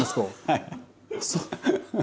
はい。